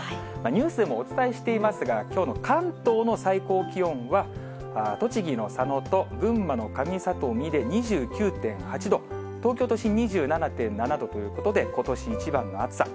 ニュースでもお伝えしていますが、きょうの関東の最高気温は、栃木の佐野と群馬の上里見で２９．８度、東京都心２７．７度ということで、ことし一番の暑さ。